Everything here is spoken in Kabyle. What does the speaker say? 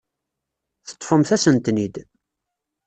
Teṭṭfemt-asen-ten-id.